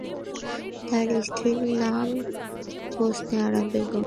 তার স্ত্রীর নাম হোসনে আরা বেগম।